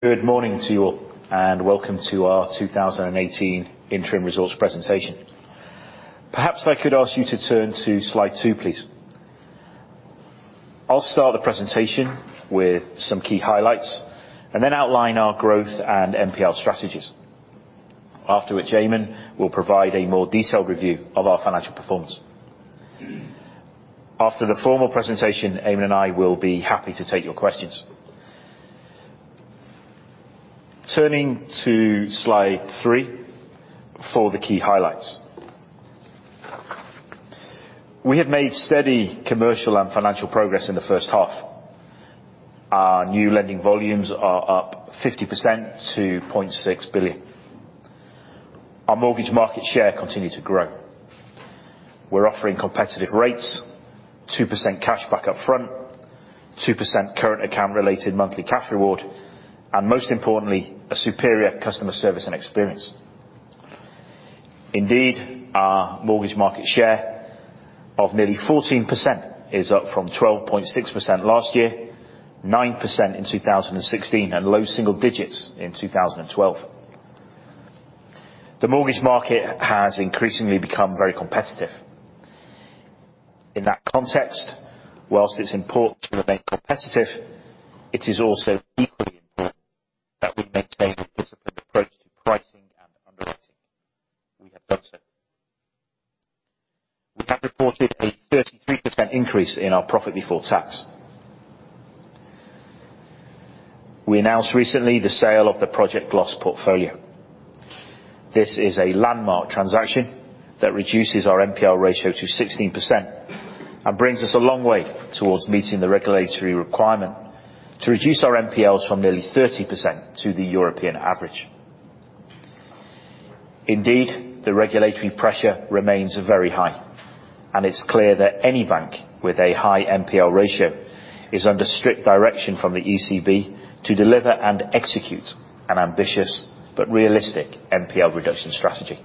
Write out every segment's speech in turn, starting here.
Good morning to you all, and welcome to our 2018 interim results presentation. Perhaps I could ask you to turn to slide two, please. I will start the presentation with some key highlights, then outline our growth and NPL strategies. After which Eamonn will provide a more detailed review of our financial performance. After the formal presentation, Eamonn and I will be happy to take your questions. Turning to slide three for the key highlights. We have made steady commercial and financial progress in the first half. Our new lending volumes are up 50% to 0.6 billion. Our mortgage market share continued to grow. We are offering competitive rates, 2% cash back up front, 2% current account related monthly cash reward, most importantly, a superior customer service and experience. Indeed, our mortgage market share of nearly 14% is up from 12.6% last year, 9% in 2016, and low single digits in 2012. The mortgage market has increasingly become very competitive. In that context, whilst it is important to remain competitive, it is also equally important that we maintain a disciplined approach to pricing and underwriting. We have done so. We have reported a 33% increase in our profit before tax. We announced recently the sale of the Project Glas portfolio. This is a landmark transaction that reduces our NPL ratio to 16% and brings us a long way towards meeting the regulatory requirement to reduce our NPLs from nearly 30% to the European average. Indeed, the regulatory pressure remains very high, it is clear that any bank with a high NPL ratio is under strict direction from the ECB to deliver and execute an ambitious but realistic NPL reduction strategy.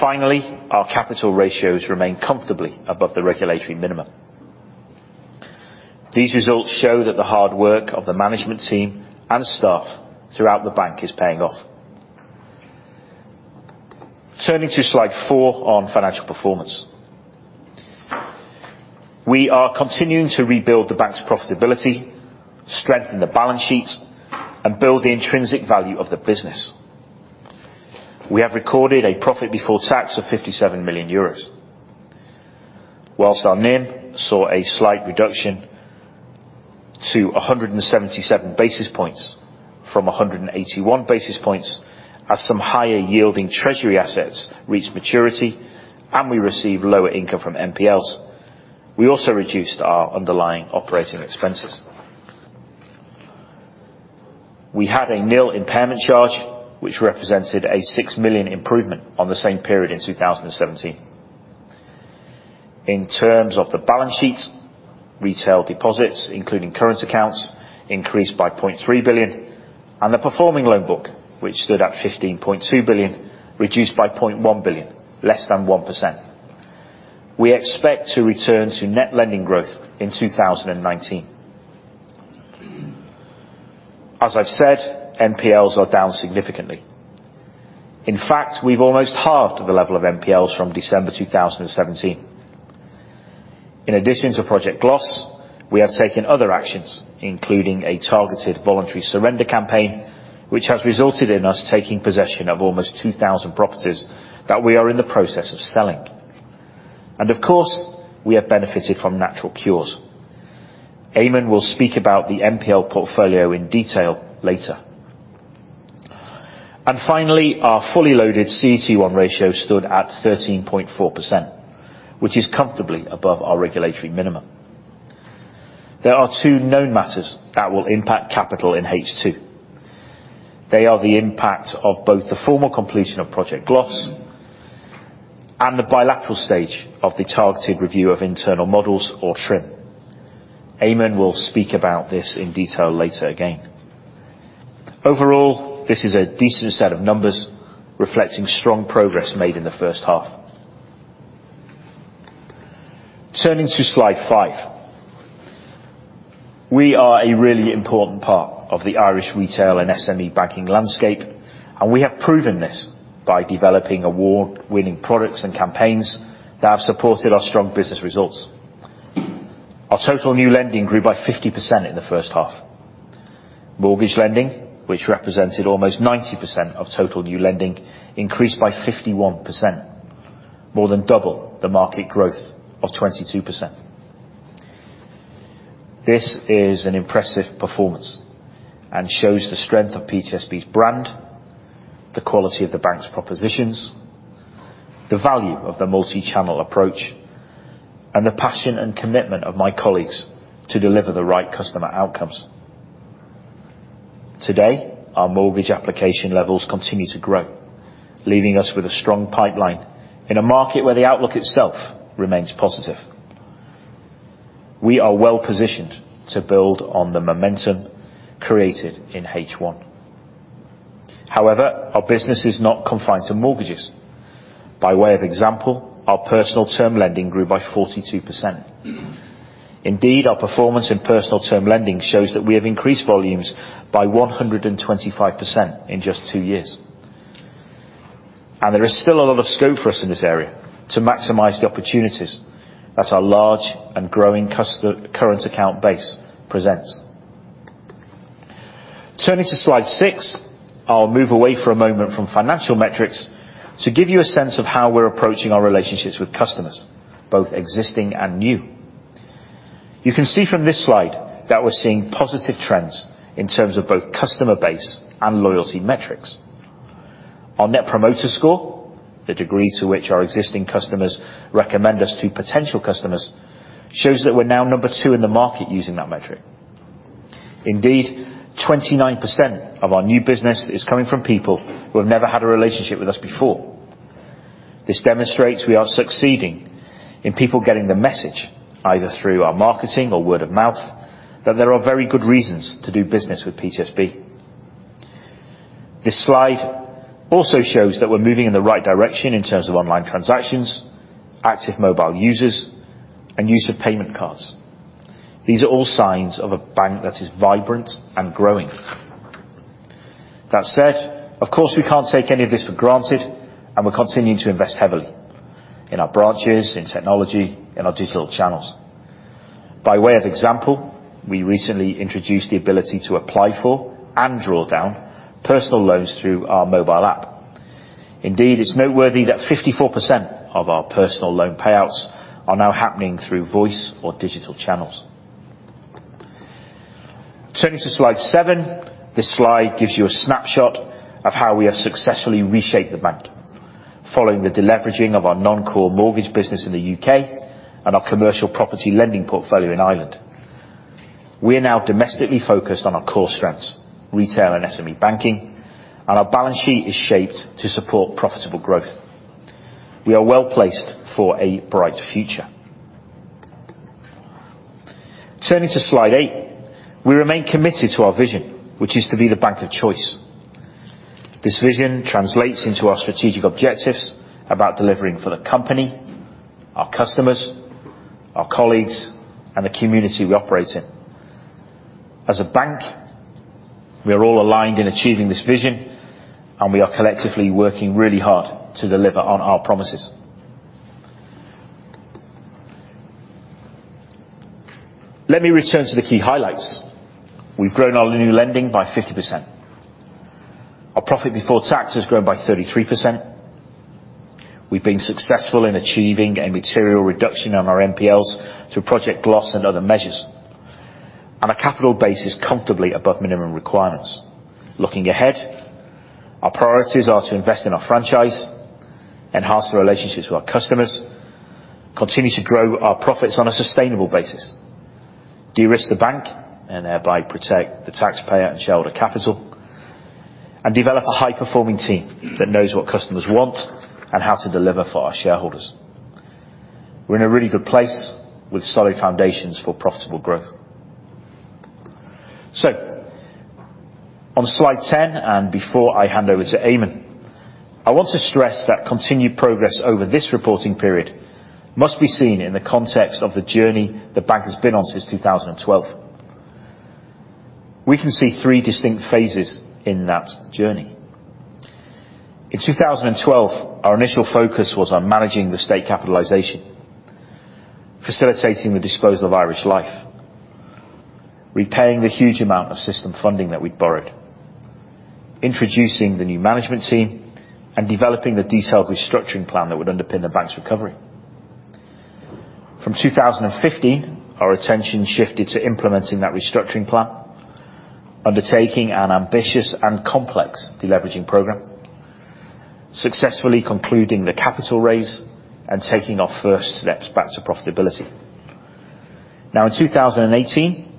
Finally, our capital ratios remain comfortably above the regulatory minimum. These results show that the hard work of the management team and staff throughout the bank is paying off. Turning to slide four on financial performance. We are continuing to rebuild the bank's profitability, strengthen the balance sheet, build the intrinsic value of the business. We have recorded a profit before tax of 57 million euros. Whilst our NIM saw a slight reduction to 177 basis points from 181 basis points as some higher yielding treasury assets reached maturity, we received lower income from NPLs. We also reduced our underlying operating expenses. We had a nil impairment charge, which represented a six million improvement on the same period in 2017. In terms of the balance sheets, retail deposits, including current accounts, increased by 0.3 billion, the performing loan book, which stood at 15.2 billion, reduced by 0.1 billion, less than 1%. We expect to return to net lending growth in 2019. As I've said, NPLs are down significantly. In fact, we've almost halved the level of NPLs from December 2017. In addition to Project Glas, we have taken other actions, including a targeted voluntary surrender campaign, which has resulted in us taking possession of almost 2,000 properties that we are in the process of selling. Of course, we have benefited from natural cures. Eamonn will speak about the NPL portfolio in detail later. Finally, our fully loaded CET1 ratio stood at 13.4%, which is comfortably above our regulatory minimum. There are two known matters that will impact capital in H2. They are the impact of both the formal completion of Project Glas and the bilateral stage of the targeted review of internal models or TRIM. Eamonn will speak about this in detail later again. Overall, this is a decent set of numbers reflecting strong progress made in the first half. Turning to slide five. We are a really important part of the Irish retail and SME banking landscape, and we have proven this by developing award-winning products and campaigns that have supported our strong business results. Our total new lending grew by 50% in the first half. Mortgage lending, which represented almost 90% of total new lending, increased by 51%, more than double the market growth of 22%. This is an impressive performance and shows the strength of PTSB's brand, the quality of the bank's propositions, the value of the multi-channel approach, and the passion and commitment of my colleagues to deliver the right customer outcomes. Today, our mortgage application levels continue to grow, leaving us with a strong pipeline in a market where the outlook itself remains positive. We are well-positioned to build on the momentum created in H1. However, our business is not confined to mortgages. By way of example, our personal term lending grew by 42%. Indeed, our performance in personal term lending shows that we have increased volumes by 125% in just two years. There is still a lot of scope for us in this area to maximize the opportunities that our large and growing current account base presents. Turning to slide six, I'll move away for a moment from financial metrics to give you a sense of how we're approaching our relationships with customers, both existing and new. You can see from this slide that we're seeing positive trends in terms of both customer base and loyalty metrics. Our Net Promoter Score, the degree to which our existing customers recommend us to potential customers, shows that we're now number 2 in the market using that metric. Indeed, 29% of our new business is coming from people who have never had a relationship with us before. This demonstrates we are succeeding in people getting the message, either through our marketing or word of mouth, that there are very good reasons to do business with PTSB. This slide also shows that we're moving in the right direction in terms of online transactions, active mobile users, and use of payment cards. These are all signs of a bank that is vibrant and growing. That said, of course, we can't take any of this for granted, and we're continuing to invest heavily in our branches, in technology, in our digital channels. By way of example, we recently introduced the ability to apply for and draw down personal loans through our mobile app. Indeed, it's noteworthy that 54% of our personal loan payouts are now happening through voice or digital channels. Turning to slide seven. This slide gives you a snapshot of how we have successfully reshaped the bank following the deleveraging of our non-core mortgage business in the U.K. and our commercial property lending portfolio in Ireland. We are now domestically focused on our core strengths, retail and SME banking, and our balance sheet is shaped to support profitable growth. We are well-placed for a bright future. Turning to slide eight. We remain committed to our vision, which is to be the bank of choice. This vision translates into our strategic objectives about delivering for the company, our customers, our colleagues, and the community we operate in. As a bank, we are all aligned in achieving this vision, and we are collectively working really hard to deliver on our promises. Let me return to the key highlights. We've grown our new lending by 50%. Our profit before tax has grown by 33%. We've been successful in achieving a material reduction on our NPLs through Project Glas and other measures. Our capital base is comfortably above minimum requirements. Looking ahead, our priorities are to invest in our franchise, enhance the relationships with our customers, continue to grow our profits on a sustainable basis, de-risk the bank, and thereby protect the taxpayer and shareholder capital, and develop a high-performing team that knows what customers want and how to deliver for our shareholders. We're in a really good place with solid foundations for profitable growth. On Slide 10, and before I hand over to Eamonn, I want to stress that continued progress over this reporting period must be seen in the context of the journey the bank has been on since 2012. We can see three distinct phases in that journey. In 2012, our initial focus was on managing the state capitalization, facilitating the disposal of Irish Life, repaying the huge amount of system funding that we'd borrowed, introducing the new management team, and developing the detailed restructuring plan that would underpin the bank's recovery. From 2015, our attention shifted to implementing that restructuring plan, undertaking an ambitious and complex deleveraging program, successfully concluding the capital raise, and taking our first steps back to profitability. Now in 2018,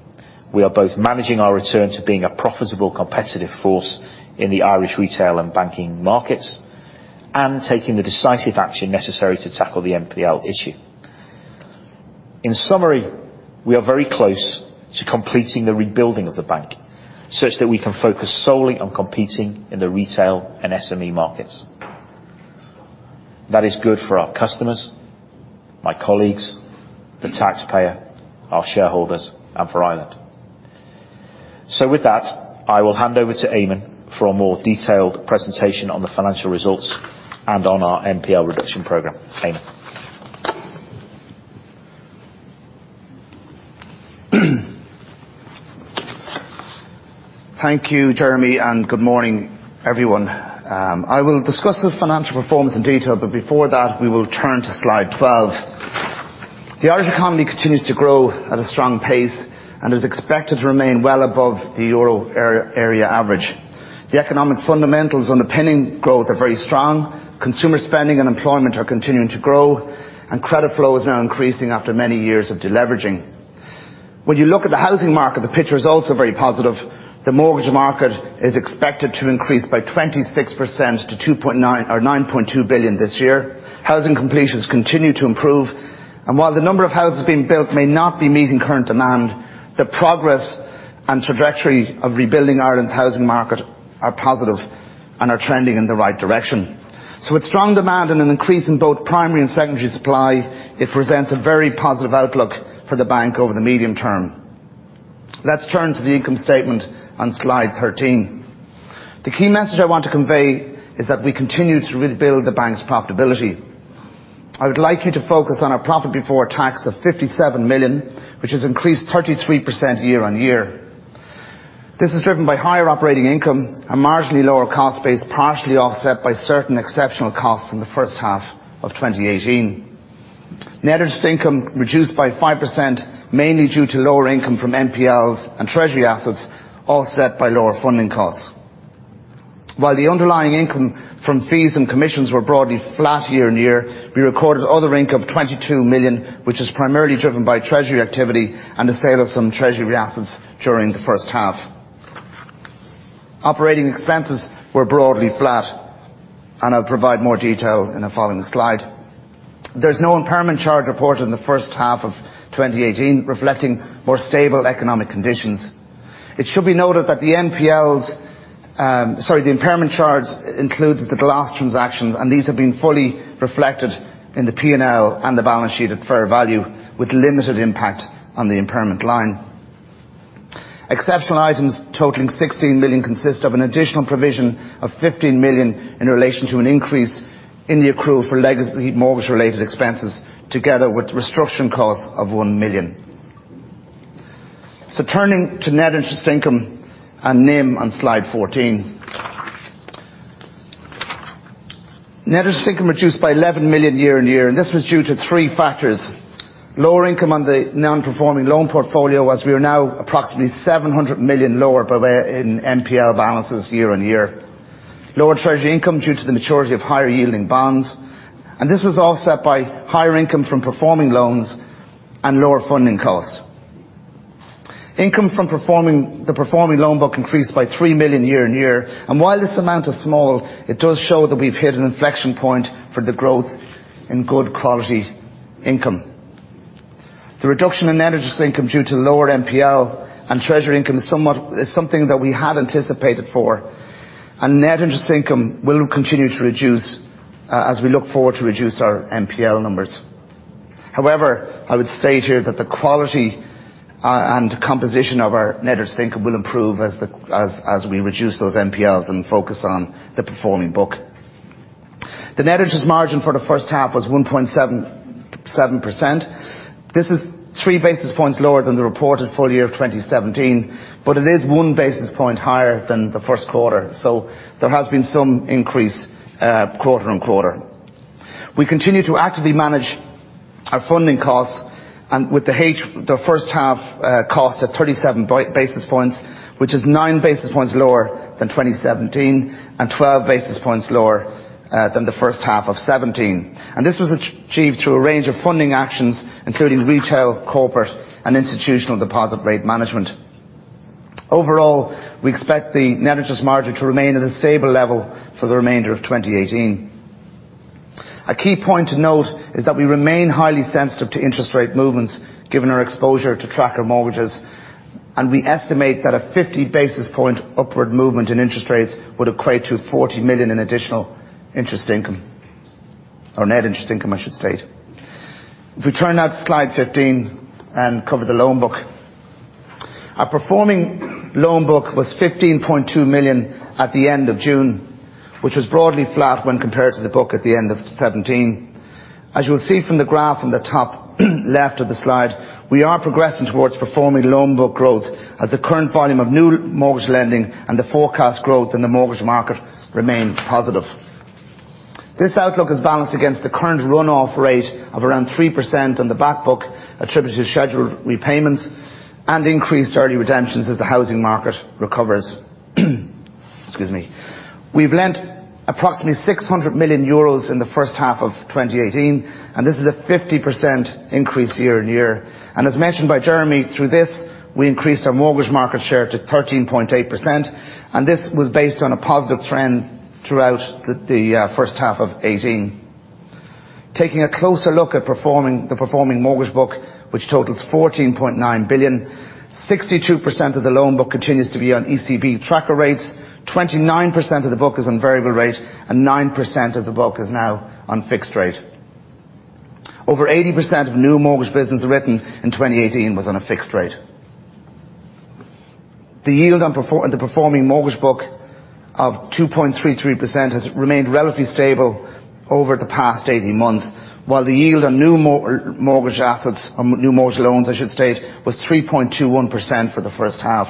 we are both managing our return to being a profitable, competitive force in the Irish retail and banking markets and taking the decisive action necessary to tackle the NPL issue. In summary, we are very close to completing the rebuilding of the bank such that we can focus solely on competing in the retail and SME markets. That is good for our customers, my colleagues, the taxpayer, our shareholders, and for Ireland. With that, I will hand over to Eamonn for a more detailed presentation on the financial results and on our NPL reduction program. Eamonn. Thank you, Jeremy. Good morning, everyone. I will discuss the financial performance in detail, before that, we will turn to Slide 12. The Irish economy continues to grow at a strong pace and is expected to remain well above the Euro area average. The economic fundamentals underpinning growth are very strong. Consumer spending and employment are continuing to grow, credit flow is now increasing after many years of deleveraging. You look at the housing market, the picture is also very positive. The mortgage market is expected to increase by 26% to 9.2 billion this year. Housing completions continue to improve, while the number of houses being built may not be meeting current demand, the progress and trajectory of rebuilding Ireland's housing market are positive and are trending in the right direction. With strong demand and an increase in both primary and secondary supply, it presents a very positive outlook for the bank over the medium term. Let's turn to the income statement on Slide 13. The key message I want to convey is that we continue to rebuild the bank's profitability. I would like you to focus on our profit before tax of 57 million, which has increased 33% year-on-year. This is driven by higher operating income and marginally lower cost base, partially offset by certain exceptional costs in the first half of 2018. Net interest income reduced by 5%, mainly due to lower income from NPLs and treasury assets, offset by lower funding costs. While the underlying income from fees and commissions were broadly flat year-on-year, we recorded other income of 22 million, which is primarily driven by treasury activity and the sale of some treasury assets during the first half. Operating expenses were broadly flat, I'll provide more detail in the following slide. There's no impairment charge reported in the first half of 2018, reflecting more stable economic conditions. It should be noted that the impairment charge includes the Glas transactions, these have been fully reflected in the P&L and the balance sheet at fair value, with limited impact on the impairment line. Exceptional items totaling 16 million consist of an additional provision of 15 million in relation to an increase in the accrual for legacy mortgage-related expenses, together with restriction costs of 1 million. Turning to net interest income and NIM on Slide 14. Net interest income reduced by 11 million year-on-year, this was due to three factors. Lower income on the non-performing loan portfolio, as we are now approximately 700 million lower in NPL balances year-on-year. Lower treasury income due to the maturity of higher-yielding bonds. This was offset by higher income from performing loans and lower funding costs. Income from the performing loan book increased by 3 million year-on-year. While this amount is small, it does show that we've hit an inflection point for the growth in good quality income. The reduction in net interest income due to lower NPL and treasury income is something that we had anticipated for, and net interest income will continue to reduce as we look forward to reduce our NPL numbers. However, I would state here that the quality and composition of our net interest income will improve as we reduce those NPLs and focus on the performing book. The net interest margin for the first half was 1.77%. This is 3 basis points lower than the reported full year of 2017, but it is 1 basis point higher than the first quarter. There has been some increase quarter-on-quarter. We continue to actively manage our funding costs, and with the first half cost at 37 basis points, which is 9 basis points lower than 2017, and 12 basis points lower than the first half of 2017. This was achieved through a range of funding actions, including retail, corporate, and institutional deposit rate management. Overall, we expect the net interest margin to remain at a stable level for the remainder of 2018. A key point to note is that we remain highly sensitive to interest rate movements, given our exposure to tracker mortgages, and we estimate that a 50 basis point upward movement in interest rates would equate to 40 million in additional interest income. Or net interest income, I should state. If we turn now to Slide 15 and cover the loan book. Our performing loan book was 15.2 million at the end of June, which was broadly flat when compared to the book at the end of 2017. As you will see from the graph on the top left of the slide, we are progressing towards performing loan book growth as the current volume of new mortgage lending and the forecast growth in the mortgage market remain positive. This outlook is balanced against the current runoff rate of around 3% on the back book, attributed to scheduled repayments and increased early redemptions as the housing market recovers. Excuse me. We've lent approximately 600 million euros in the first half of 2018, and this is a 50% increase year-on-year. As mentioned by Jeremy, through this, we increased our mortgage market share to 13.8%, and this was based on a positive trend throughout the first half of 2018. Taking a closer look at the performing mortgage book, which totals 14.9 billion, 62% of the loan book continues to be on ECB tracker rates, 29% of the book is on variable rate, and 9% of the book is now on fixed rate. Over 80% of new mortgage business written in 2018 was on a fixed rate. The yield on the performing mortgage book of 2.33% has remained relatively stable over the past 18 months, while the yield on new mortgage assets, on new mortgage loans, I should state, was 3.21% for the first half.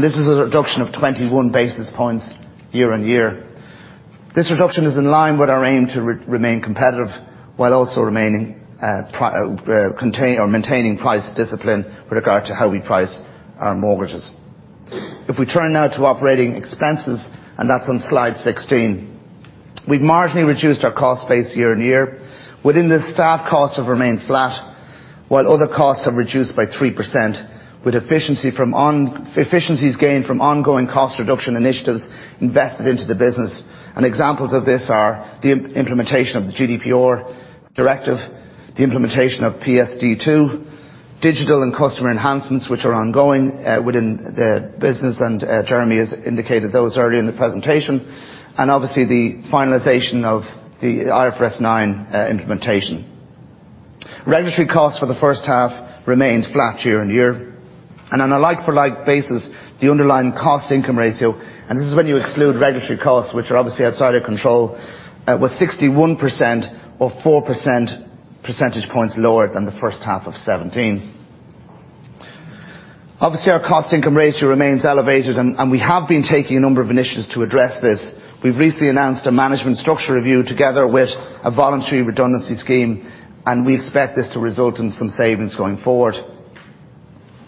This is a reduction of 21 basis points year-on-year. This reduction is in line with our aim to remain competitive while also maintaining price discipline with regard to how we price our mortgages. If we turn now to operating expenses, and that's on Slide 16. We've marginally reduced our cost base year-on-year. Within this, staff costs have remained flat, while other costs have reduced by 3%, with efficiencies gained from ongoing cost reduction initiatives invested into the business. Examples of this are the implementation of the GDPR directive, the implementation of PSD2, digital and customer enhancements which are ongoing within the business, and Jeremy has indicated those earlier in the presentation, and obviously the finalization of the IFRS 9 implementation. Regulatory costs for the first half remained flat year-on-year. On a like-for-like basis, the underlying cost income ratio, and this is when you exclude regulatory costs, which are obviously outside of control, was 61% or 4 percentage points lower than the first half of 2017. Obviously, our cost income ratio remains elevated and we have been taking a number of initiatives to address this. We've recently announced a management structure review together with a voluntary redundancy scheme, we expect this to result in some savings going forward.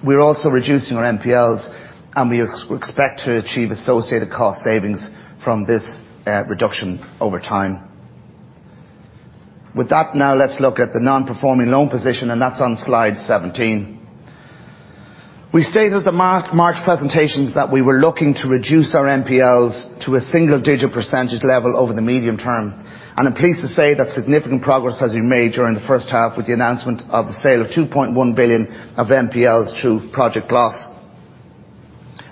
We're also reducing our NPLs, we expect to achieve associated cost savings from this reduction over time. With that, now let's look at the non-performing loan position, that's on slide 17. We stated at the March presentations that we were looking to reduce our NPLs to a single-digit percentage level over the medium term. I'm pleased to say that significant progress has been made during the first half with the announcement of the sale of 2.1 billion of NPLs through Project Glas.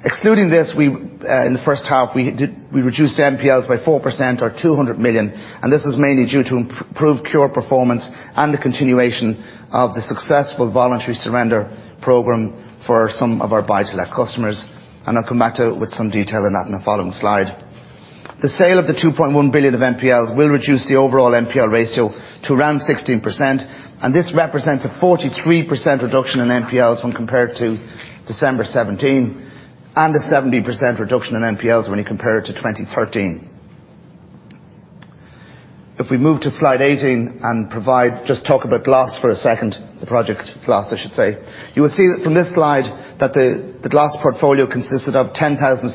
Excluding this, in the first half, we reduced NPLs by 4% or 200 million, this was mainly due to improved cure performance and the continuation of the successful voluntary surrender program for some of our buy-to-let customers. I'll come back with some detail on that in the following slide. The sale of the 2.1 billion of NPLs will reduce the overall NPL ratio to around 16%, this represents a 43% reduction in NPLs when compared to December 2017, a 70% reduction in NPLs when you compare it to 2013. If we move to slide 18 and just talk about Glas for a second, the Project Glas, I should say. You will see from this slide that the Glas portfolio consisted of 10,700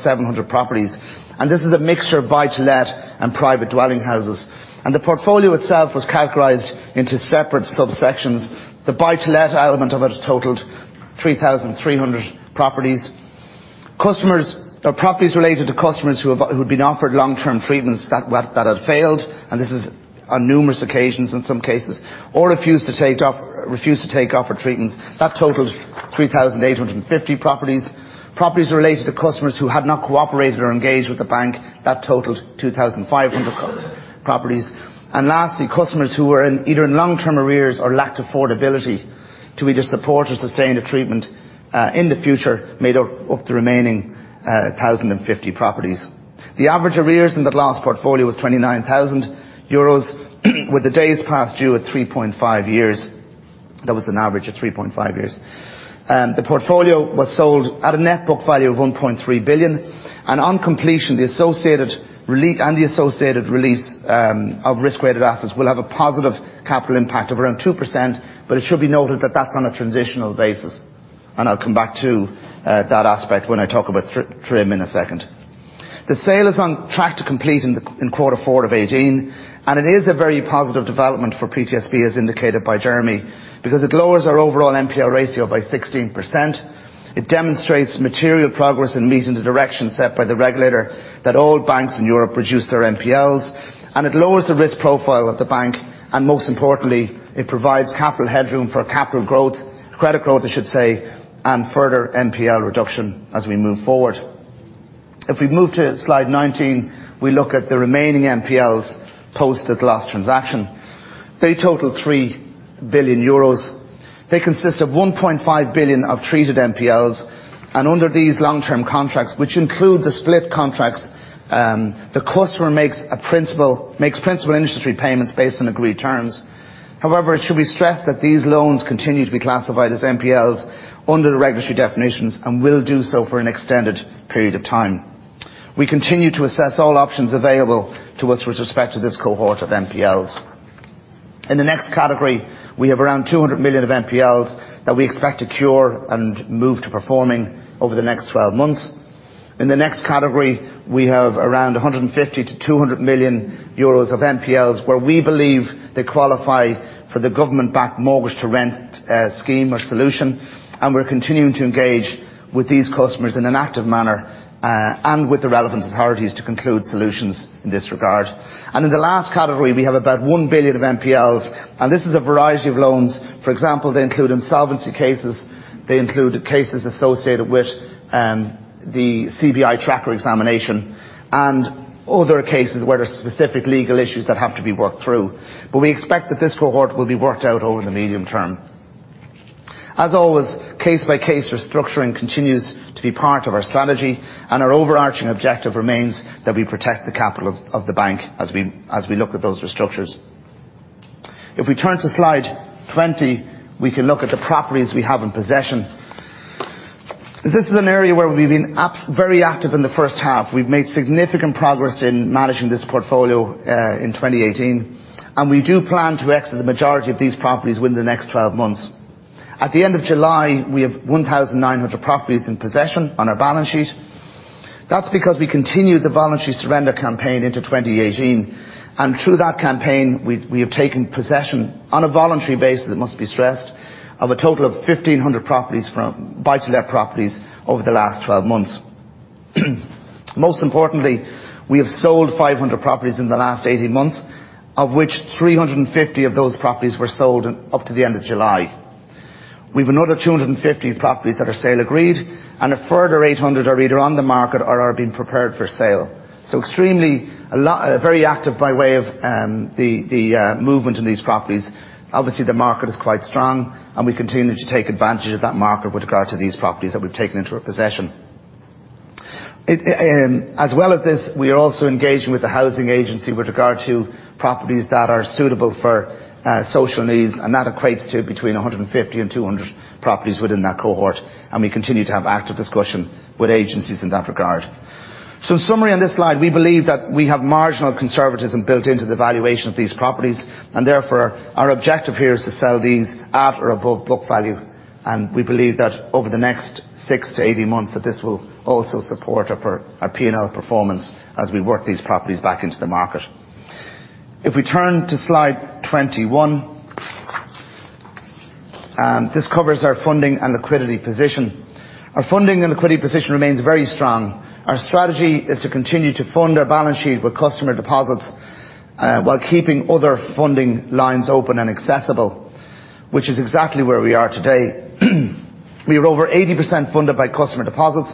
properties, this is a mixture of buy-to-let and private dwelling houses. The portfolio itself was categorized into separate subsections. The buy-to-let element of it totaled 3,300 properties. The properties related to customers who had been offered long-term treatments that had failed, this is on numerous occasions in some cases, or refused to take offered treatments. That totaled 3,850 properties. Properties related to customers who had not cooperated or engaged with the bank, that totaled 2,500 properties. Lastly, customers who were either in long-term arrears or lacked affordability to either support or sustain a treatment, in the future made up the remaining 1,050 properties. The average arrears in the Glas portfolio was 29,000 euros with the days past due at 3.5 years. That was an average of 3.5 years. The portfolio was sold at a net book value of 1.3 billion, on completion, and the associated release of Risk-Weighted Assets will have a positive capital impact of around 2%, it should be noted that that's on a transitional basis. I'll come back to that aspect when I talk about TRIM in a second. The sale is on track to complete in quarter four of 2018. It is a very positive development for PTSB, as indicated by Jeremy, because it lowers our overall NPL ratio by 16%. It demonstrates material progress and meets the direction set by the regulator that all banks in Europe reduce their NPLs. It lowers the risk profile of the bank. Most importantly, it provides capital headroom for capital growth, credit growth, I should say, and further NPL reduction as we move forward. If we move to slide 19, we look at the remaining NPLs post the Glas transaction. They total 3 billion euros. They consist of 1.5 billion of treated NPLs. Under these long-term contracts, which include the split mortgages, the customer makes principal interest repayments based on agreed terms. However, it should be stressed that these loans continue to be classified as NPLs under the regulatory definitions and will do so for an extended period of time. We continue to assess all options available to us with respect to this cohort of NPLs. In the next category, we have around 200 million of NPLs that we expect to cure and move to performing over the next 12 months. In the next category, we have around 150 million-200 million euros of NPLs where we believe they qualify for the government-backed Mortgage to Rent scheme or solution. We are continuing to engage with these customers in an active manner, and with the relevant authorities to conclude solutions in this regard. In the last category, we have about 1 billion of NPLs, and this is a variety of loans. For example, they include insolvency cases, they include cases associated with the CBI Tracker Mortgage Examination and other cases where there is specific legal issues that have to be worked through. We expect that this cohort will be worked out over the medium term. As always, case by case restructuring continues to be part of our strategy, and our overarching objective remains that we protect the capital of the bank as we look at those restructures. If we turn to slide 20, we can look at the properties we have in possession. This is an area where we have been very active in the first half. We have made significant progress in managing this portfolio, in 2018. We do plan to exit the majority of these properties within the next 12 months. At the end of July, we have 1,900 properties in possession on our balance sheet. That is because we continued the voluntary surrender campaign into 2018. Through that campaign, we have taken possession on a voluntary basis, it must be stressed, of a total of 1,500 buy-to-let properties over the last 12 months. Most importantly, we have sold 500 properties in the last 18 months, of which 350 of those properties were sold up to the end of July. We have another 250 properties that are sale agreed, and a further 800 are either on the market or are being prepared for sale. Extremely, very active by way of the movement in these properties. Obviously, the market is quite strong, and we continue to take advantage of that market with regard to these properties that we have taken into our possession. As well as this, we are also engaging with The Housing Agency with regard to properties that are suitable for social needs, and that equates to between 150 and 200 properties within that cohort, and we continue to have active discussion with agencies in that regard. In summary, on this slide, we believe that we have marginal conservatism built into the valuation of these properties, and therefore, our objective here is to sell these at or above book value. We believe that over the next six to 18 months, that this will also support our P&L performance as we work these properties back into the market. If we turn to slide 21, this covers our funding and liquidity position. Our funding and liquidity position remains very strong. Our strategy is to continue to fund our balance sheet with customer deposits, while keeping other funding lines open and accessible, which is exactly where we are today. We are over 80% funded by customer deposits,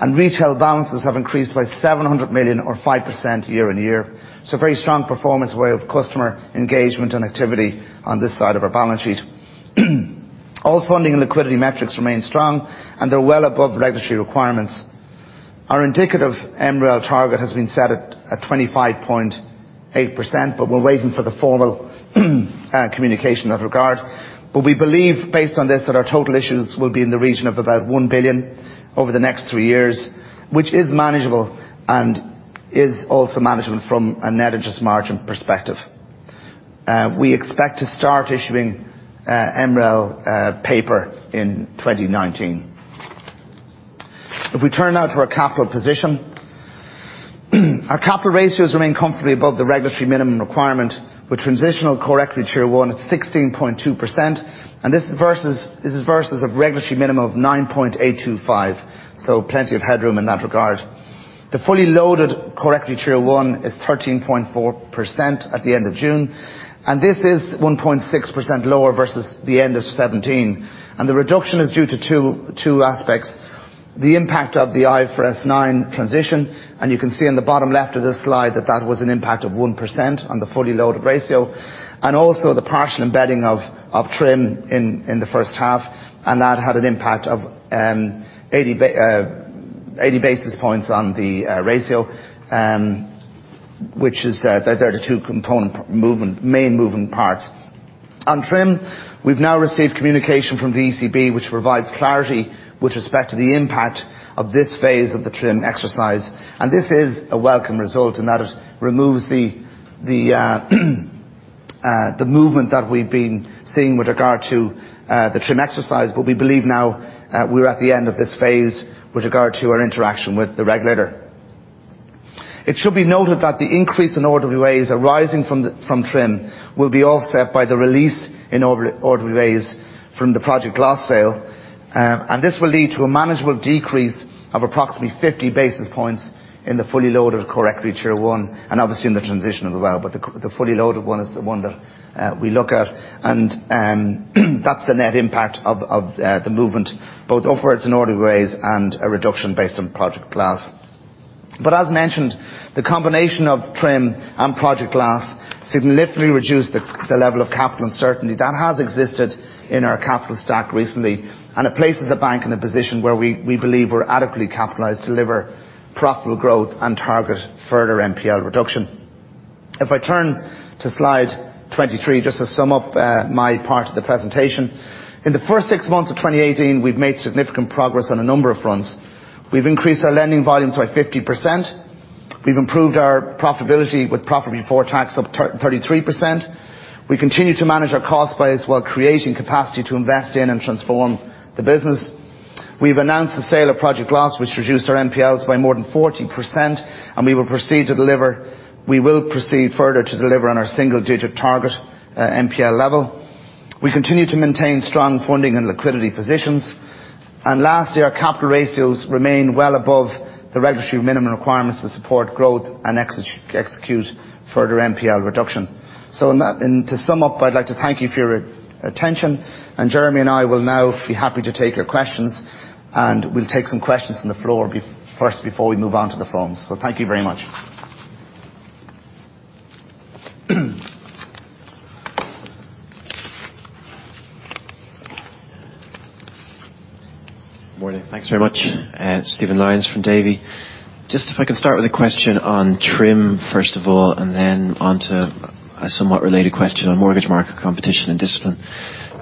and retail balances have increased by 700 million or 5% year-on-year. A very strong performance way of customer engagement and activity on this side of our balance sheet. All funding and liquidity metrics remain strong, and they're well above regulatory requirements. Our indicative MREL target has been set at 25.8%, but we're waiting for the formal communication in that regard. We believe, based on this, that our total issues will be in the region of about 1 billion over the next three years, which is manageable and is also manageable from a net interest margin perspective. We expect to start issuing MREL paper in 2019. If we turn now to our capital position, our capital ratios remain comfortably above the regulatory minimum requirement, with transitional Common Equity Tier 1 at 16.2%. This is versus a regulatory minimum of 9.825%, so plenty of headroom in that regard. The fully loaded Common Equity Tier 1 is 13.4% at the end of June, and this is 1.6% lower versus the end of 2017. The reduction is due to two aspects, the impact of the IFRS 9 transition, and you can see in the bottom left of this slide that that was an impact of 1% on the fully loaded ratio, and also the partial embedding of TRIM in the first half, and that had an impact of 80 basis points on the ratio, which is, they're the two component main moving parts. On TRIM, we've now received communication from the ECB, which provides clarity with respect to the impact of this phase of the TRIM exercise. This is a welcome result in that it removes the movement that we've been seeing with regard to the TRIM exercise. We believe now we are at the end of this phase with regard to our interaction with the regulator. It should be noted that the increase in RWAs arising from TRIM will be offset by the release in RWAs from the Project Glas sale. This will lead to a manageable decrease of approximately 50 basis points in the fully loaded Common Equity Tier 1, and obviously in the transition as well. The fully loaded one is the one that we look at, and that's the net impact of the movement, both upwards in RWAs and a reduction based on Project Glas. As mentioned, the combination of TRIM and Project Glas significantly reduced the level of capital uncertainty that has existed in our capital stack recently, and it places the bank in a position where we believe we're adequately capitalized to deliver profitable growth and target further NPL reduction. If I turn to slide 23, just to sum up my part of the presentation. In the first six months of 2018, we've made significant progress on a number of fronts. We've increased our lending volumes by 50%. We've improved our profitability with profit before tax up 33%. We continue to manage our cost base while creating capacity to invest in and transform the business. We've announced the sale of Project Glas, which reduced our NPLs by more than 40%, and we will proceed further to deliver on our single-digit target NPL level. We continue to maintain strong funding and liquidity positions. Lastly, our capital ratios remain well above the regulatory minimum requirements to support growth and execute further NPL reduction. To sum up, I'd like to thank you for your attention, and Jeremy and I will now be happy to take your questions, and we'll take some questions from the floor first before we move on to the phones. Thank you very much. Morning. Thanks very much. Stephen Lyons from Davy. If I can start with a question on TRIM, first of all, and then onto a somewhat related question on mortgage market competition and discipline.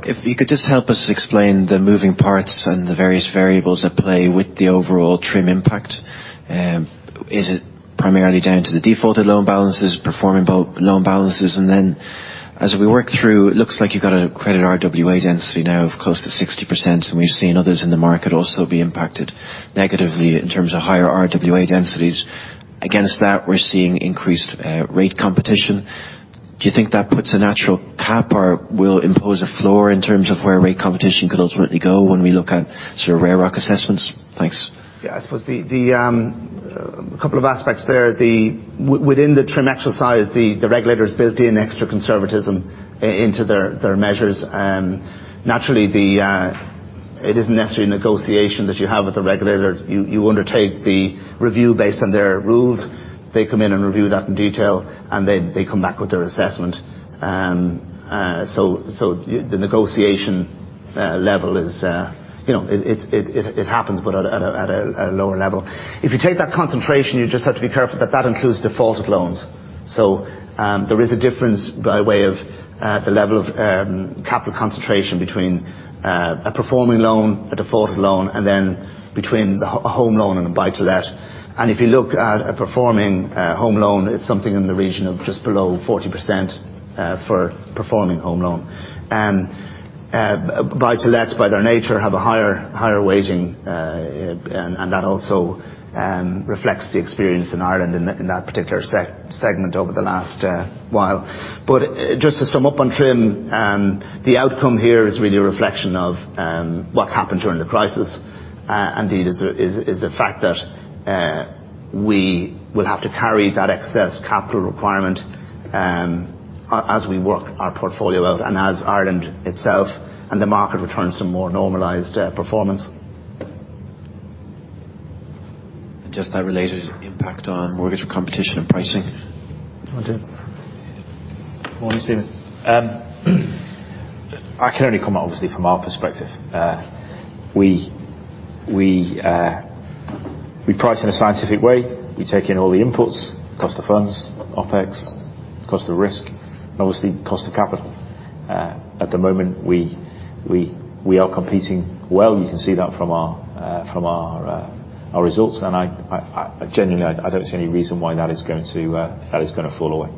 If you could just help us explain the moving parts and the various variables at play with the overall TRIM impact. Is it primarily down to the defaulted loan balances, performing loan balances? And then as we work through, it looks like you've got a credit RWA density now of close to 60%, and we've seen others in the market also be impacted negatively in terms of higher RWA densities. Against that, we're seeing increased rate competition. Do you think that puts a natural cap or will impose a floor in terms of where rate competition could ultimately go when we look at sort of RAROC assessments? Thanks. I suppose the couple of aspects there, within the TRIM exercise, the regulators built in extra conservatism into their measures. Naturally it isn't necessarily negotiation that you have with the regulator. You undertake the review based on their rules. They come in and review that in detail, and they come back with their assessment. The negotiation level, it happens, but at a lower level. If you take that concentration, you just have to be careful that that includes defaulted loans. There is a difference by way of the level of capital concentration between a performing loan, a defaulted loan, and then between a home loan and a buy-to-let. And if you look at a performing home loan, it's something in the region of just below 40% for a performing home loan. Buy-to-lets, by their nature, have a higher weighting, and that also reflects the experience in Ireland in that particular segment over the last while. Just to sum up on TRIM, the outcome here is really a reflection of what's happened during the crisis. Indeed, it is a fact that we will have to carry that excess capital requirement as we work our portfolio out and as Ireland itself and the market returns to more normalized performance. Just how related is impact on mortgage competition and pricing? Will do. Morning, Stephen. I can only come, obviously, from our perspective. We price in a scientific way. We take in all the inputs, cost of funds, OpEx, cost of risk, and obviously cost of capital. At the moment, we are competing well. You can see that from our results, and genuinely, I don't see any reason why that is going to fall away.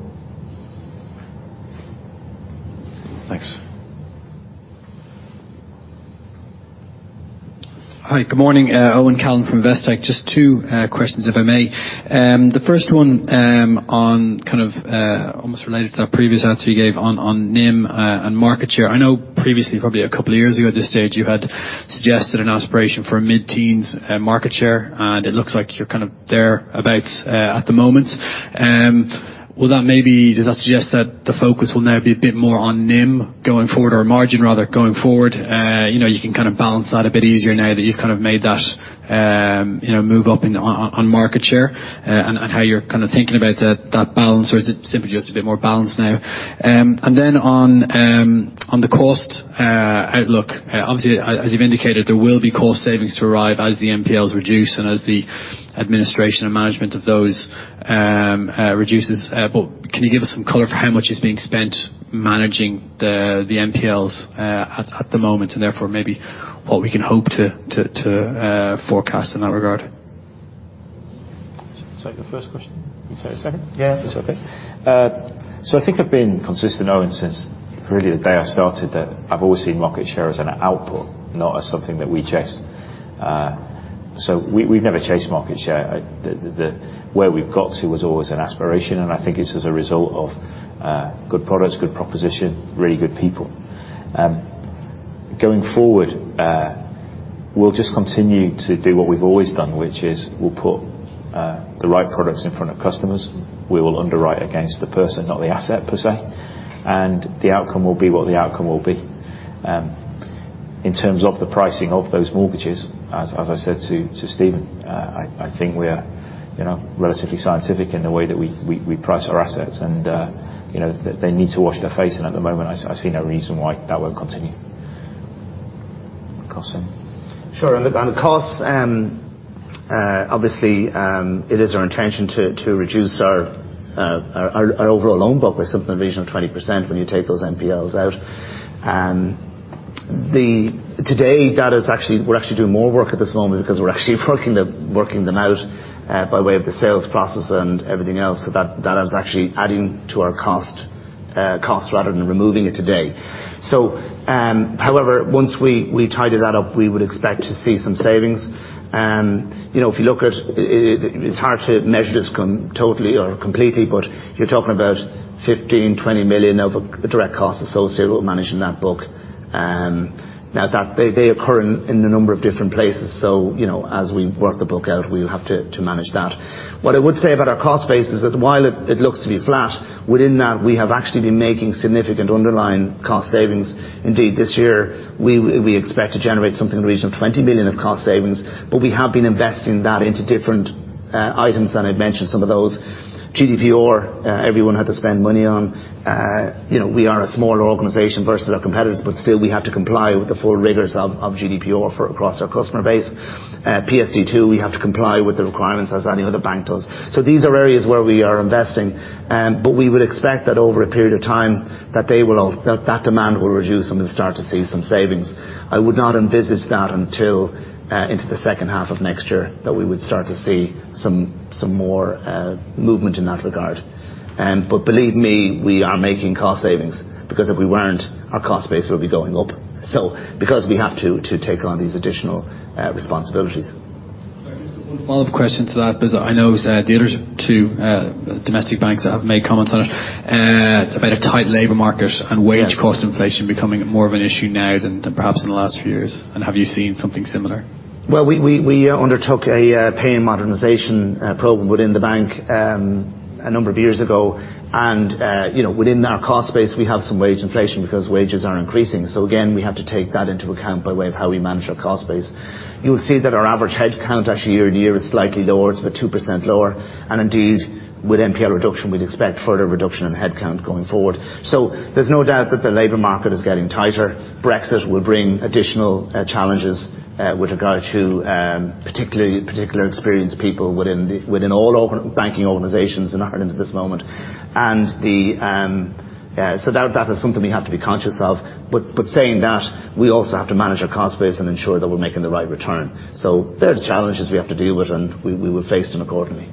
Thanks. Hi, good morning. Owen Callan from Investec. Just two questions, if I may. The first one on, almost related to that previous answer you gave on NIM and market share. I know previously, probably a couple of years ago at this stage, you had suggested an aspiration for mid-teens market share, and it looks like you're there about at the moment. Does that suggest that the focus will now be a bit more on NIM going forward, or margin rather, going forward? You can balance that a bit easier now that you've made that move up on market share, and how you're thinking about that balance, or is it simply just a bit more balance now? On the cost outlook, obviously, as you've indicated, there will be cost savings to arrive as the NPLs reduce and as the administration and management of those reduces. Can you give us some color for how much is being spent managing the NPLs at the moment, and therefore maybe what we can hope to forecast in that regard? Take the first question. You take the second? Yeah. That's okay. I think I've been consistent, Owen, since really the day I started that I've always seen market share as an output, not as something that we chase. We've never chased market share. Where we've got to was always an aspiration, and I think it's as a result of good products, good proposition, really good people. Going forward, we'll just continue to do what we've always done, which is we'll put the right products in front of customers. We will underwrite against the person, not the asset per se, and the outcome will be what the outcome will be. In terms of the pricing of those mortgages, as I said to Stephen, I think we are relatively scientific in the way that we price our assets, and they need to wash their face, and at the moment, I see no reason why that won't continue. Cost saving. Sure. The costs, obviously, it is our intention to reduce our overall loan book by something in the region of 20% when you take those NPLs out. Today, we're actually doing more work at this moment because we're actually working them out by way of the sales process and everything else. That is actually adding to our cost rather than removing it today. However, once we tidy that up, we would expect to see some savings. It's hard to measure this totally or completely, but you're talking about 15 million-20 million of direct costs associated with managing that book. They occur in a number of different places. As we work the book out, we'll have to manage that. What I would say about our cost base is that while it looks to be flat, within that, we have actually been making significant underlying cost savings. Indeed, this year, we expect to generate something in the region of 20 million of cost savings, but we have been investing that into different items than I've mentioned. Some of those, GDPR, everyone had to spend money on. We are a smaller organization versus our competitors, but still we have to comply with the full rigors of GDPR across our customer base. PSD2, we have to comply with the requirements as any other bank does. These are areas where we are investing, but we would expect that over a period of time, that demand will reduce and we'll start to see some savings. I would not envisage that until into the second half of next year, that we would start to see some more movement in that regard. Believe me, we are making cost savings, because if we weren't, our cost base would be going up. Because we have to take on these additional responsibilities. Sorry, just one follow-up question to that, because I know the other two domestic banks have made comments on it, about a tight labor market and wage cost inflation becoming more of an issue now than perhaps in the last few years. Have you seen something similar? Well, we undertook a pay and modernization program within the bank a number of years ago. Within our cost base, we have some wage inflation because wages are increasing. Again, we have to take that into account by way of how we manage our cost base. You will see that our average headcount actually year-to-year is slightly lower. It's about 2% lower. Indeed, with NPL reduction, we'd expect further reduction in headcount going forward. There's no doubt that the labor market is getting tighter. Brexit will bring additional challenges with regard to particular experienced people within all banking organizations in Ireland at this moment. That is something we have to be conscious of. Saying that, we also have to manage our cost base and ensure that we're making the right return. They're the challenges we have to deal with, and we will face them accordingly.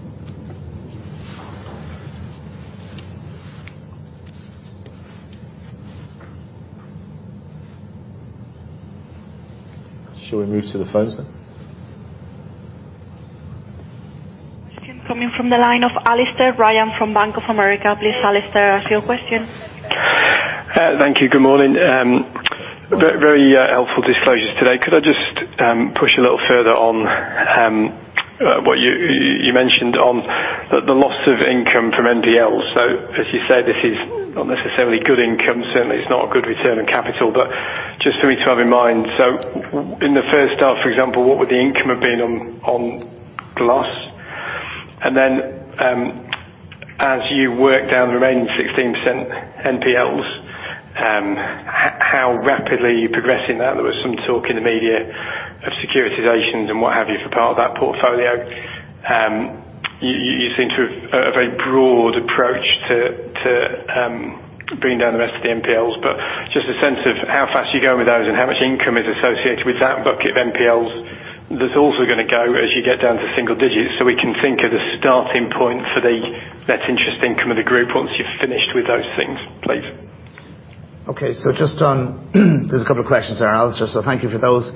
Shall we move to the phones then? Question coming from the line of Alastair Ryan from Bank of America. Please, Alastair, ask your question. Thank you. Good morning. Very helpful disclosures today. Could I just push a little further on what you mentioned on the loss of income from NPL? Certainly, it's not a good return on capital. Just for me to have in mind. In the first half, for example, what would the income have been on the loss? Then, as you work down the remaining 16% NPLs, how rapidly are you progressing that? There was some talk in the media of securitizations and what have you for part of that portfolio. You seem to have a very broad approach to bringing down the rest of the NPLs. Just a sense of how fast are you going with those and how much income is associated with that bucket of NPLs that's also going to go as you get down to single digits, so we can think of the starting point for the net interest income of the group once you've finished with those things, please. There's a couple of questions there, Alastair. Thank you for those.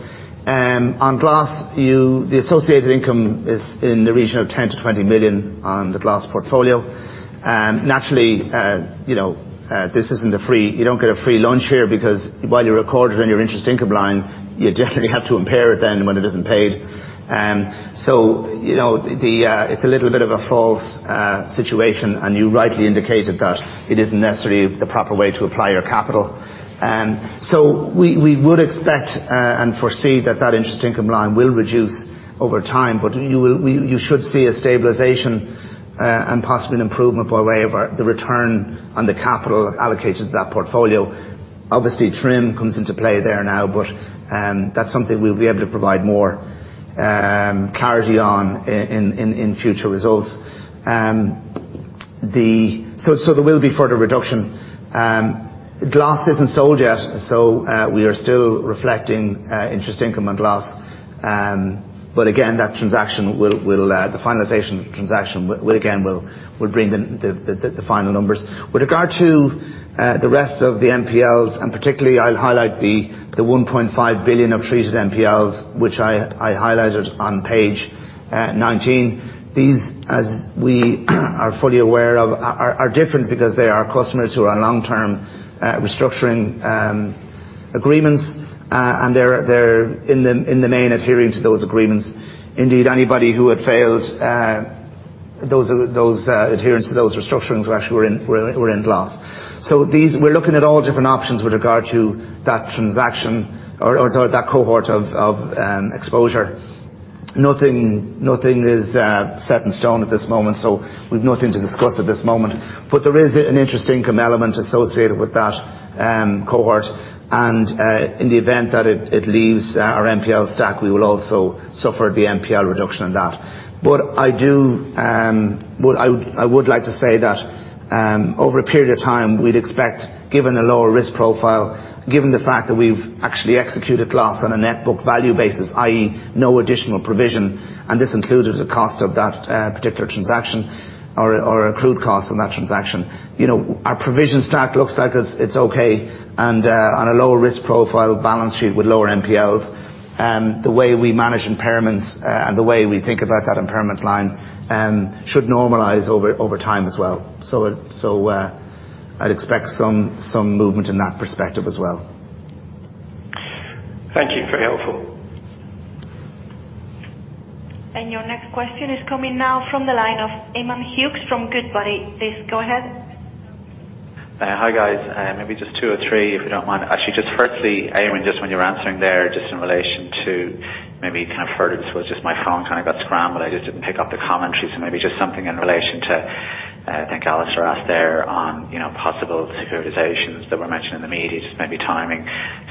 On Glas, the associated income is in the region of 10 million to 20 million on the Glas portfolio. Naturally, you don't get a free lunch here because while you record it on your interest income line, you generally have to impair it then when it isn't paid. It's a little bit of a false situation. You rightly indicated that it isn't necessarily the proper way to apply your capital. We would expect and foresee that that interest income line will reduce over time. You should see a stabilization and possibly an improvement by way of the return on the capital allocated to that portfolio. TRIM comes into play there now. That's something we'll be able to provide more clarity on in future results. There will be further reduction. Glas isn't sold yet. We are still reflecting interest income on Glas. Again, the finalization transaction again will bring the final numbers. With regard to the rest of the NPLs, particularly I'll highlight the 1.5 billion of treated NPLs, which I highlighted on page 19. These, as we are fully aware of, are different because they are customers who are on long-term restructuring agreements. They're, in the main, adhering to those agreements. Indeed, anybody who had failed adherence to those restructurings were actually in Glas. We're looking at all different options with regard to that transaction or that cohort of exposure. Nothing is set in stone at this moment. We've nothing to discuss at this moment. There is an interest income element associated with that cohort. In the event that it leaves our NPL stack, we will also suffer the NPL reduction on that. I would like to say that over a period of time, we'd expect, given a lower risk profile, given the fact that we've actually executed Glas on a net book value basis, i.e., no additional provision, and this included the cost of that particular transaction, or accrued cost on that transaction. Our provision stack looks like it's okay, and on a lower risk profile balance sheet with lower NPLs. The way we manage impairments and the way we think about that impairment line should normalize over time as well. I'd expect some movement in that perspective as well. Thank you. Very helpful. Your next question is coming now from the line of Eamonn Hughes from Goodbody. Please go ahead. Hi, guys. Maybe just two or three, if you don't mind. Actually, just firstly, Eamonn, just when you were answering there, just in relation to maybe you heard this was just my phone kind of got scrambled. I just didn't pick up the commentary. Maybe just something in relation to, I think Alastair asked there on possible securitizations that were mentioned in the media, just maybe timing.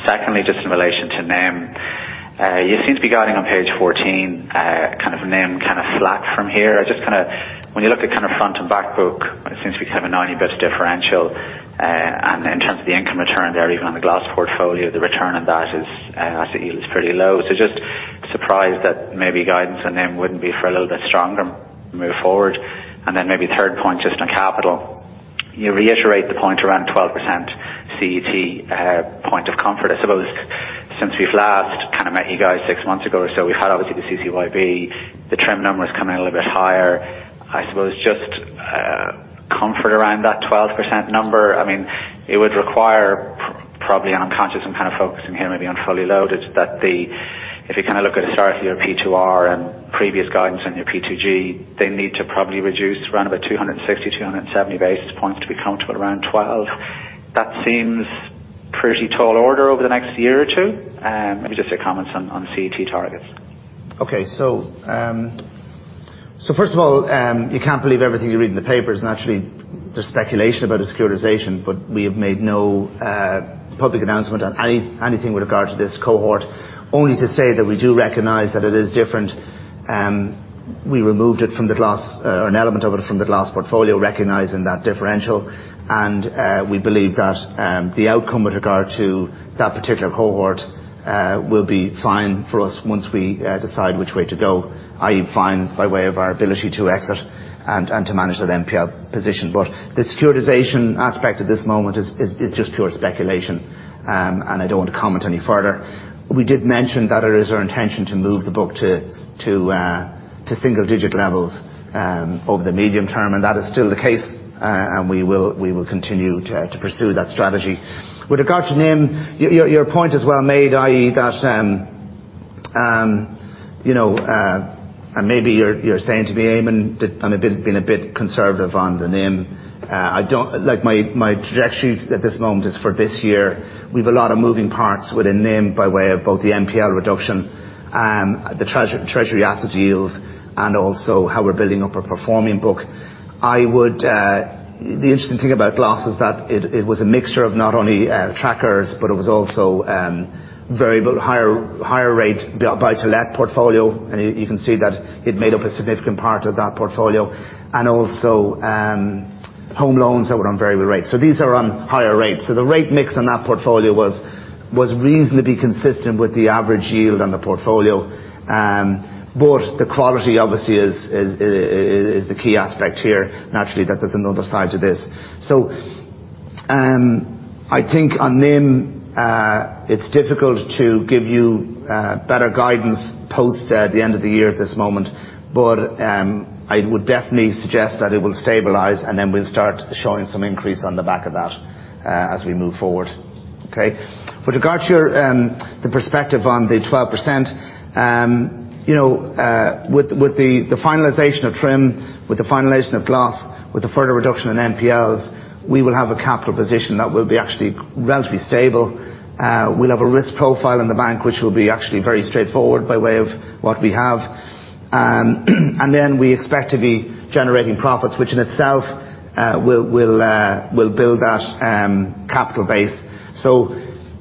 Secondly, just in relation to NIM. You seem to be guiding on page 14, kind of NIM kind of flat from here. When you look at front and back book, it seems to be kind of a 90 basis points differential. And in terms of the income return there, even on the Glas portfolio, the return on that is, I think it's pretty low. Just surprised that maybe guidance on NIM wouldn't be for a little bit stronger moving forward. Third point, just on capital. You reiterate the point around 12% CET1 point of comfort. I suppose since we've last met you guys 6 months ago or so, we've had, obviously, the CCYB. The TRIM number is coming in a little bit higher. I suppose just comfort around that 12% number. It would require probably, and I'm conscious, I'm kind of focusing here maybe on fully loaded, if you look at your P2R and previous guidance on your P2G, they need to probably reduce around 260-270 basis points to be comfortable around 12%. That seems pretty tall order over the next year or two. Maybe just your comments on CET1 targets. First of all, you can't believe everything you read in the papers. There's speculation about a securitization, we have made no public announcement on anything with regard to this cohort, only to say that we do recognize that it is different. We removed an element of it from the Glas portfolio, recognizing that differential. We believe that the outcome with regard to that particular cohort will be fine for us once we decide which way to go, i.e., fine by way of our ability to exit and to manage that NPL position. The securitization aspect at this moment is just pure speculation, I don't want to comment any further. We did mention that it is our intention to move the book to single-digit levels over the medium term, that is still the case. We will continue to pursue that strategy. With regard to NIM, your point is well made, i.e., that maybe you're saying to me, Eamonn, that I'm being a bit conservative on the NIM. My trajectory at this moment is for this year. We've a lot of moving parts within NIM by way of both the NPL reduction, the treasury asset yields, and also how we're building up our performing book. The interesting thing about Glas is that it was a mixture of not only tracker mortgages, it was also variable higher rate buy-to-let portfolio. You can see that it made up a significant part of that portfolio. Also home loans that were on variable rates. These are on higher rates. The rate mix on that portfolio was reasonably consistent with the average yield on the portfolio. The quality obviously is the key aspect here. Naturally, there's another side to this. I think on NIM, it's difficult to give you better guidance post the end of the year at this moment. I would definitely suggest that it will stabilize, we'll start showing some increase on the back of that as we move forward. With regard to the perspective on the 12%, with the finalization of TRIM, with the finalization of Glas, with the further reduction in NPLs, we will have a capital position that will be actually relatively stable. We'll have a risk profile in the bank, which will be actually very straightforward by way of what we have. We expect to be generating profits, which in itself will build that capital base.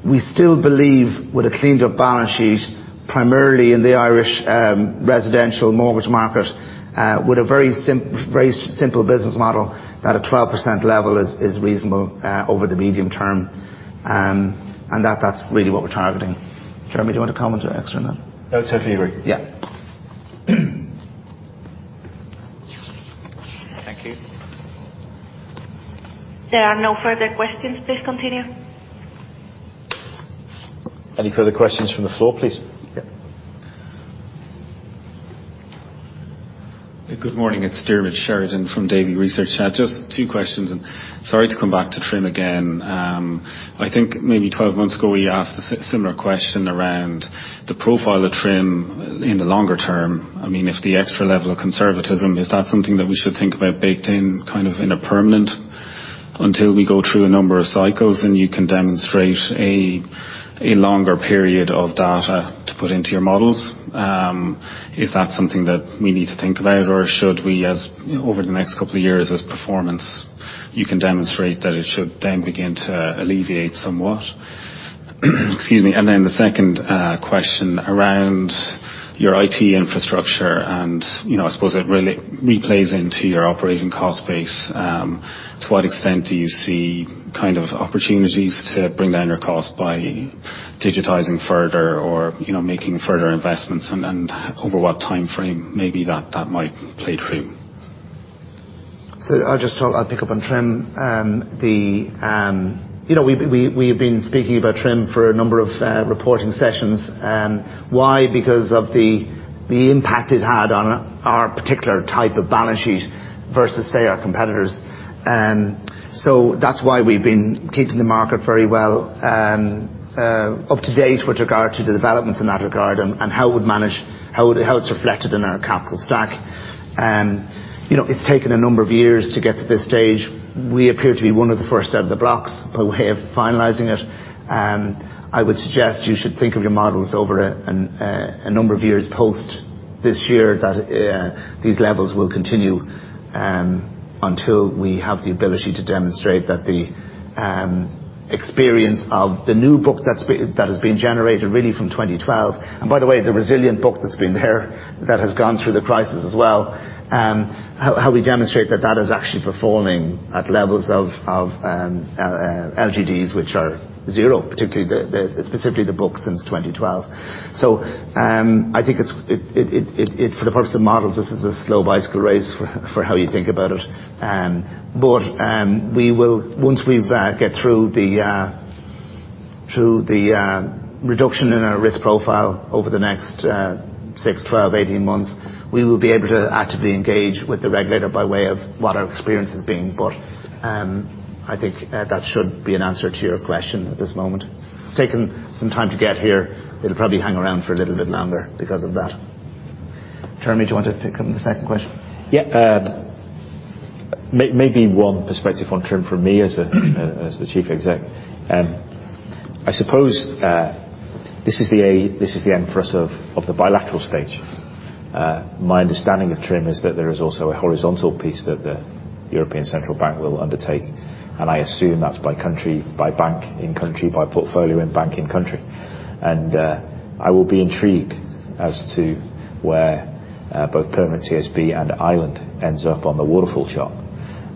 We still believe with a cleaned-up balance sheet, primarily in the Irish residential mortgage market, with a very simple business model, that a 12% level is reasonable over the medium term. That's really what we're targeting. Jeremy, do you want to comment or add extra on that? No, I totally agree. Yeah. Thank you. There are no further questions. Please continue. Any further questions from the floor, please? Yeah. Good morning. It's Diarmaid Sheridan from Davy Research. Sorry to come back to TRIM again. I think maybe 12 months ago, we asked a similar question around the profile of TRIM in the longer term. If the extra level of conservatism, is that something that we should think about baked in, kind of in a permanent until we go through a number of cycles and you can demonstrate a longer period of data to put into your models? Is that something that we need to think about, or should we as, over the next couple of years as performance, you can demonstrate that it should then begin to alleviate somewhat? Excuse me. Then the second question around your IT infrastructure, and I suppose it really replays into your operating cost base. To what extent do you see opportunities to bring down your cost by digitizing further or making further investments, and over what timeframe maybe that might play through? I'll pick up on TRIM. We have been speaking about TRIM for a number of reporting sessions. Why? Because of the impact it had on our particular type of balance sheet versus, say, our competitors. That's why we've been keeping the market very well up to date with regard to the developments in that regard and how it's reflected in our capital stack. It's taken a number of years to get to this stage. We appear to be one of the first out of the blocks by way of finalizing it. I would suggest you should think of your models over a number of years post this year, that these levels will continue until we have the ability to demonstrate that the experience of the new book that has been generated really from 2012. By the way, the resilient book that's been there that has gone through the crisis as well, how we demonstrate that that is actually performing at levels of LGDs, which are 0, specifically the book since 2012. I think for the purpose of models, this is a slow bicycle race for how you think about it. Once we get through the reduction in our risk profile over the next 6, 12, 18 months, we will be able to actively engage with the regulator by way of what our experience is being. I think that should be an answer to your question at this moment. It's taken some time to get here. It'll probably hang around for a little bit longer because of that. Jeremy, do you want to pick on the second question? Yeah. Maybe one perspective on TRIM from me as the chief exec. I suppose this is the end for us of the bilateral stage. My understanding of TRIM is that there is also a horizontal piece that the European Central Bank will undertake, and I assume that's by country, by bank in country, by portfolio in bank in country. I will be intrigued as to where both Permanent TSB and Ireland ends up on the waterfall chart.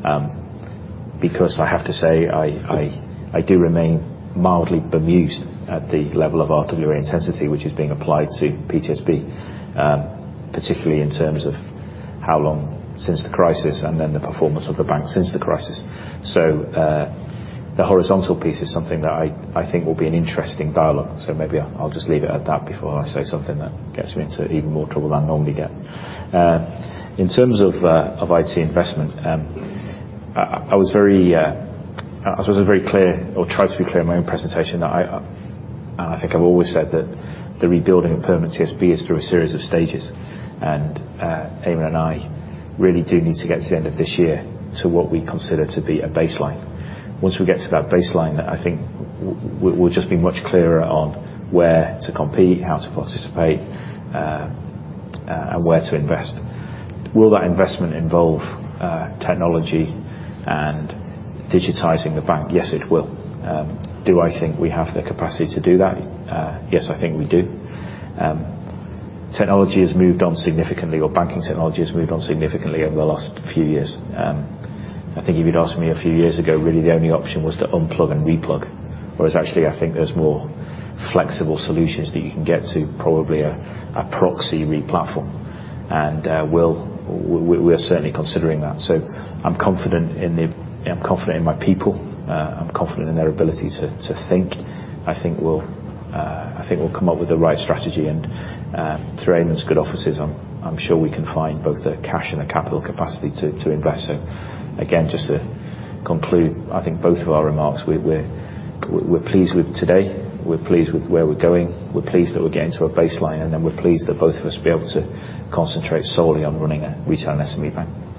I have to say, I do remain mildly bemused at the level of artillery intensity which is being applied to PTSB, particularly in terms of how long since the crisis and then the performance of the bank since the crisis. The horizontal piece is something that I think will be an interesting dialogue. Maybe I'll just leave it at that before I say something that gets me into even more trouble than I normally get. In terms of IT investment, I was very clear or tried to be clear in my own presentation. I think I've always said that the rebuilding of Permanent TSB is through a series of stages. Eamonn and I really do need to get to the end of this year to what we consider to be a baseline. Once we get to that baseline, I think we'll just be much clearer on where to compete, how to participate, and where to invest. Will that investment involve technology and digitizing the bank? Yes, it will. Do I think we have the capacity to do that? Yes, I think we do. Technology has moved on significantly, or banking technology has moved on significantly over the last few years. I think if you'd asked me a few years ago, really the only option was to unplug and replug, whereas actually I think there's more flexible solutions that you can get to probably a proxy replatform. We're certainly considering that. I'm confident in my people. I'm confident in their ability to think. I think we'll come up with the right strategy and through Eamonn's good offices, I'm sure we can find both the cash and the capital capacity to invest. Again, just to conclude, I think both of our remarks we're pleased with today. We're pleased with where we're going. We're pleased that we're getting to a baseline, and then we're pleased that both of us will be able to concentrate solely on running a retail and SME bank.